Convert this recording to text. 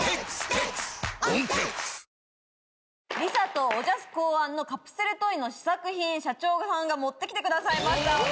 梨紗とおじゃす考案のカプセルトイの試作品社長さんが持って来てくださいました。